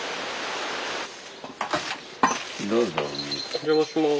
お邪魔します。